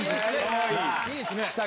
いいっすね！